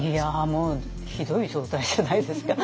もうひどい状態じゃないですか。